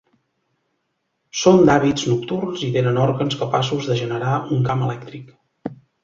Són d'hàbits nocturns i tenen òrgans capaços de generar un camp elèctric.